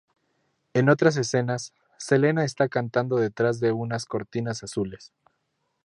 En otras escenas, Selena está cantando detrás de unas cortinas azules.